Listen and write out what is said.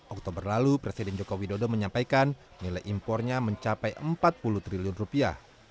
oktober lalu presiden joko widodo menyampaikan nilai impornya mencapai empat puluh triliun rupiah